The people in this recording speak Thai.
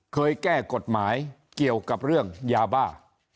เคยแก้กฎหมายเกี่ยวกับเรื่องยาบ้า